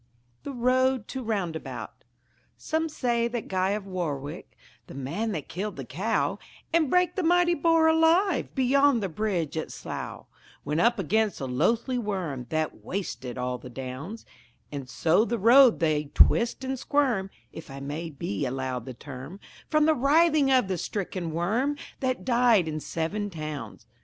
The Road to Roundabout Some say that Guy of Warwick, The man that killed the Cow And brake the mighty Boar alive Beyond the Bridge at Slough; Went up against a Loathly Worm That wasted all the Downs, And so the roads they twist and squirm (If I may be allowed the term) From the writhing of the stricken Worm That died in seven towns.